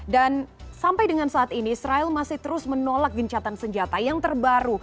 dan sampai dengan saat ini israel masih terus menolak gencatan senjata yang terbaru